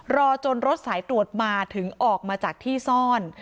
รอจนรถสายตรวจมาถึงออกมาจากที่ซ่อน